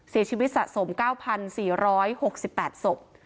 เสียชีวิตสะสม๙๔๖๘ศพ